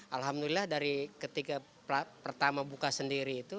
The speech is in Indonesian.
alhamdulillah dari ketika pertama buka sendiri itu